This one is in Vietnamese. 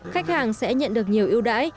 khách hàng sẽ nhận được nhiều ưu đãi